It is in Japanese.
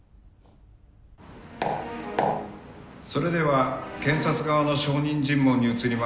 それでは検察側の証人尋問に移ります。